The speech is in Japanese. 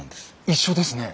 一緒ですね。